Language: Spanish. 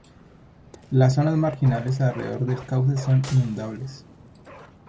Las zonas marginales alrededor del cauce son inundables.